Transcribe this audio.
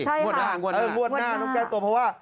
ใช่ค่ะมวดหน้ามวดหน้าเออมวดหน้าน้องแกนตัวเพราะว่า